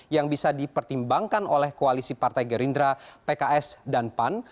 yang bisa dipertimbangkan oleh koalisi partai gerindra pks dan pan